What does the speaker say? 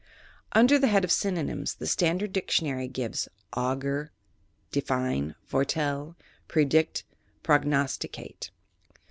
Under the head of Synonyms, the Standard Dictionary gives: "Augur, divine, foretell, predict, prognosticate.